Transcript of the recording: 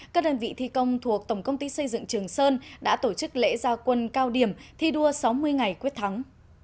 các đơn vị thi công thuộc tổng công ty xây dựng trường sơn đã tổ chức lễ gia quân cao điểm thi đua sáu mươi ngày quyết thắng